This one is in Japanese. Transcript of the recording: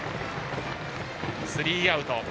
スリーアウト。